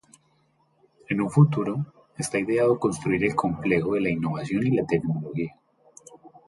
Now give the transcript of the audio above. En un futuro, esta ideado construir el Complejo de la Innovación y Tecnología.